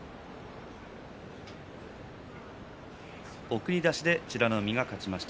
送り出しで美ノ海が勝ちました。